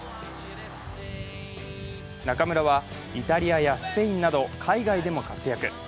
中村はイタリアやスペインなど海外でも活躍。